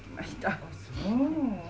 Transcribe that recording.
あっそう。